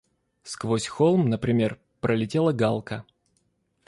Сквозь холм, например, пролетела галка.